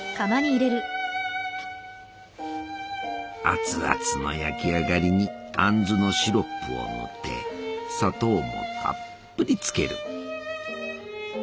熱々の焼き上がりにあんずのシロップを塗って砂糖もたっぷりつける。